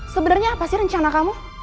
sebenarnya apa sih rencana kamu